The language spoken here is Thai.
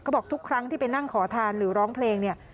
บอกทุกครั้งที่ไปนั่งขอทานหรือร้องเพลงเนี่ย